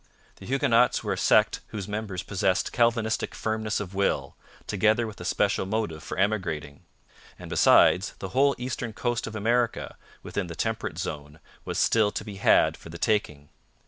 The Huguenots were a sect whose members possessed Calvinistic firmness of will, together with a special motive for emigrating. And, besides, the whole eastern coast of America, within the temperate zone, was still to be had for the taking.